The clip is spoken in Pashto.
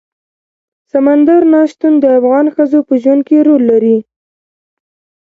سمندر نه شتون د افغان ښځو په ژوند کې رول لري.